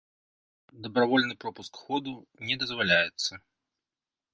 Дабравольны пропуск ходу не дазваляецца.